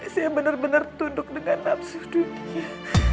saya benar benar tunduk dengan nafsu dunia